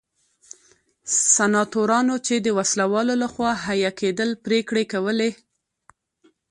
سناتورانو چې د وسله والو لخوا حیه کېدل پرېکړې کولې.